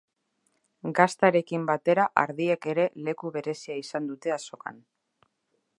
Gaztarekin batera ardiek ere leku berezia izan dute azokan.